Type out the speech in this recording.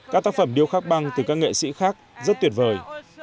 các tác phẩm điêu khắc băng từ các nghệ sĩ khác rất tuyệt vời